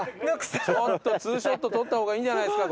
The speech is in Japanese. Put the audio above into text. ちょっと２ショット撮った方がいいんじゃないですか？